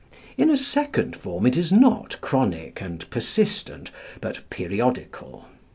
In a second form it is not chronic and persistent, but periodical.